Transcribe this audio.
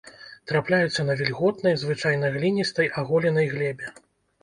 Трапляюцца на вільготнай, звычайна гліністай, аголенай глебе.